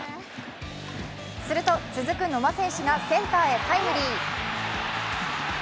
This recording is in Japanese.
すると続く野間選手がセンターへタイムリー。